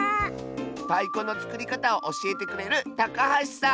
たいこのつくりかたをおしえてくれるたかはしさん！